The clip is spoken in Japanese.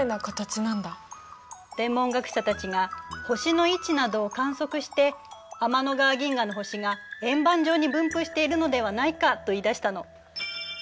天文学者たちが星の位置などを観測して天の川銀河の星が円盤状に分布しているのではないかと言いだしたの。